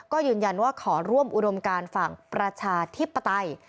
ก็ยืนยันว่าขอร่วมอุดมการฝั่งประชาธิปไตย